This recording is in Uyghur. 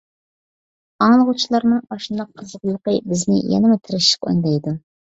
ئاڭلىغۇچىلارنىڭ ئاشۇنداق قىزغىنلىقى بىزنى يەنىمۇ تىرىشىشقا ئۈندەيدۇ.